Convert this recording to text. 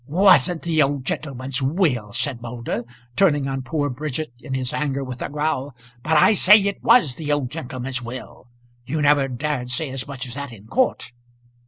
"Wasn't the old gentleman's will!" said Moulder, turning on poor Bridget in his anger with a growl. "But I say it was the old gentleman's will. You never dared say as much as that in court."